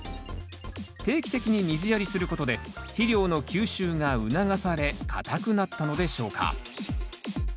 定期的に水やりすることで肥料の吸収が促され硬くなったのでしょうか？